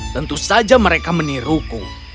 tentu saja mereka meniruku